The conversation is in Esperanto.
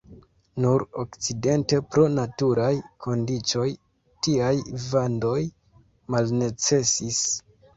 Nur okcidente pro naturaj kondiĉoj tiaj vandoj malnecesis.